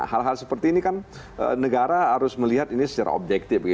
hal hal seperti ini kan negara harus melihat ini secara objektif